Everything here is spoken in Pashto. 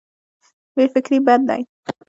بې فکري بد دی.